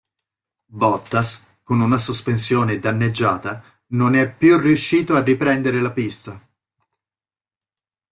Bottas, con una sospensione danneggiata, non è più riuscito a riprendere la pista.